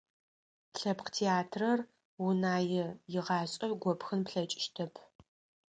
Лъэпкъ театрэр Унае игъашӀэ гопхын плъэкӀыщтэп.